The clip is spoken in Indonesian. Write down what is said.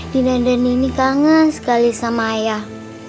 dina dan dini kangen sekali sama ayah